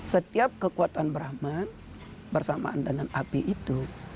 setiap kekuatan brahman bersamaan dengan api itu